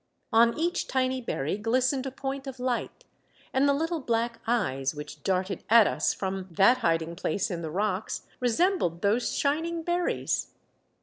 On each tiny berry glistened a point of light, and the little black eyes which darted at us from that hiding place in the rocks resembled those shining berries.